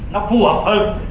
nó phù hợp hơn